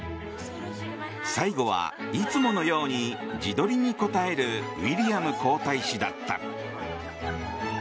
最後はいつものように自撮りに応えるウィリアム皇太子だった。